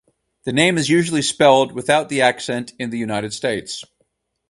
The name is usually spelled without the accent in the United States.